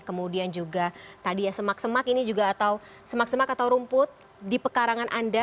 kemudian juga tadi ya semak semak ini juga atau semak semak atau rumput di pekarangan anda